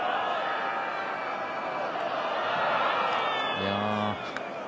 いや。